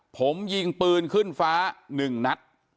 ผมยิงปืนขึ้นฟ้า๑นัด